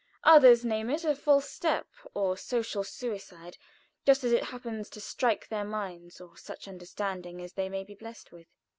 Others name it 'A false step,' or 'Social suicide,' just as it happens to strike their minds, or such understanding as they may be blessed with.